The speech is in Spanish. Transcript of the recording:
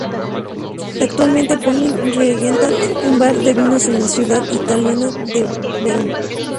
Actualmente Poli regenta un bar de vinos en la ciudad italiana de Verona.